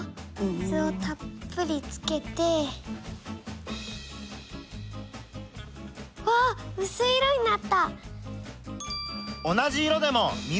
水をたっぷりつけて。わうすい色になった！